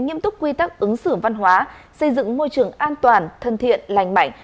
nghiêm túc quy tắc ứng xử văn hóa xây dựng môi trường an toàn thân thiện lành mạnh